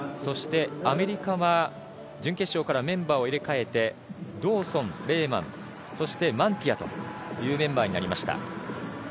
アメリカは準決勝からメンバーを入れ替えてドーソン、レーマンそしてマンティアというメンバーになりました。